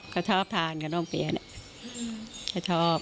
เขาชอบทานขนมเปี๊ยะเนี่ยเขาชอบ